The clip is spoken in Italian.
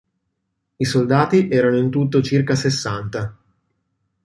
I soldati erano in tutto circa sessanta.